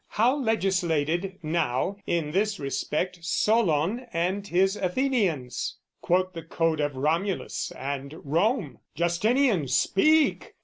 How legislated, now, in this respect, Solon and his Athenians? Quote the code Of Romulus and Rome! Justinian speak!